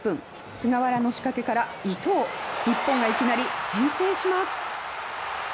菅原の仕掛けから伊東日本がいきなり先制します。